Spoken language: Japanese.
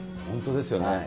本当ですよね。